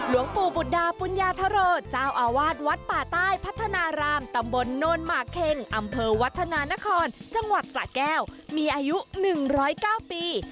หลวงปู่บุตรดาปุญญาธโรเจ้าอาวาสวัดป่าใต้พัฒนารามตำบลโนนหมากเค็งอำเภอวัฒนานครจังหวัดสะแก้วมีอายุ๑๐๙ปี